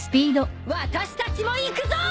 私たちも行くぞー！